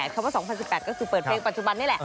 คำว่า๒๐๑๘ก็คือเปิดเพลงปัจจุบันนี่แหละ